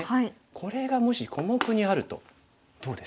これがもし小目にあるとどうです？